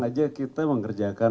aja kita mengerjakan